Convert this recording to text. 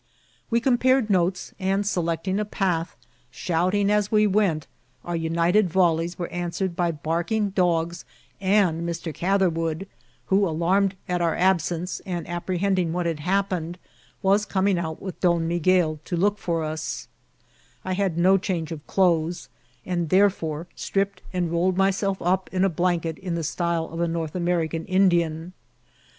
We compared notes, and, selecting a path, shouting as we went, our united Yoi ces were answered by barking dogs and Mr. Gather* wood, who, alarmed at our absence, and apprehend ing what had happened, was coming out with Don BCi guel to look for us* I had no change of clothes, and therefore stripped and rolled myself up in a blanket in the style of a North American Indian.